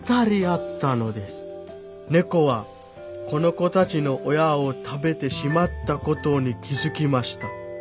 猫はこの子たちの親を食べてしまったことに気付きました。